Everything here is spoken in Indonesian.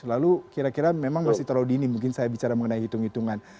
lalu kira kira memang masih terlalu dini mungkin saya bicara mengenai hitung hitungan